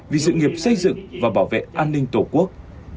vì sự nghiệp xây dựng và bảo vệ an ninh tổ quốc